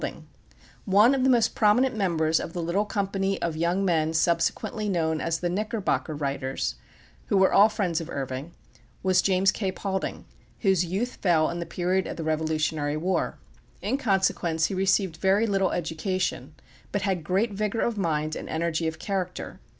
PAULDING One of the most prominent members of the little company of young men subsequently known as the Knickerbocker writers, who were all friends of Irving, was James K. Paulding, whose youth fell in the period of the Revolutionary War. In consequence he received very little education, but had great vigor of mind and energy of character.